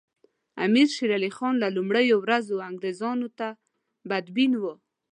امیر شېر علي خان له لومړیو ورځو انګریزانو ته بدبین وو.